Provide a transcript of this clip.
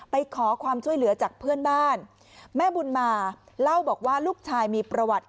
ไปขอความช่วยเหลือจากเพื่อนบ้านแม่บุญมาเล่าบอกว่าลูกชายมีประวัติ